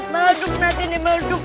maleduk mati ini maleduk